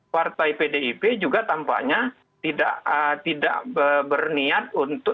partai pdip juga tampaknya tidak berniat untuk